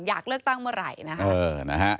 อยากเลือกตั้งเมื่อไหร่นะคะ